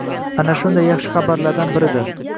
Ana shunday yaxshi xabarlardan biridir